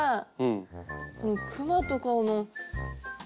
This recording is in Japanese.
このクマとかも。